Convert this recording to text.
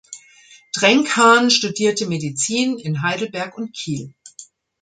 Drenckhahn studierte Medizin in Heidelberg und Kiel.